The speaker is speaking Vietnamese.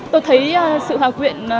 tôi thấy sự hòa quyện